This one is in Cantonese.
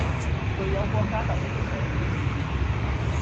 具有國家特色的社會主義